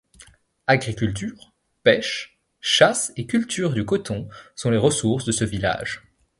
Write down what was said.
Agriculture, pêche, chasse et culture du coton sont les ressources de ce village.